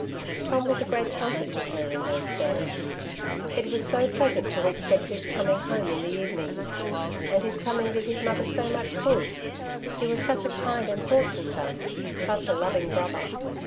Tom was a great comfort to her in those days. It was so pleasant to expect his coming home in the evenings ; and his coming did his mother so much good — he was such a kind and thoughtful son, such a loving brother.